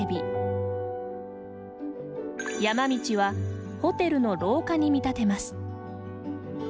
山道はホテルの廊下に見立てます。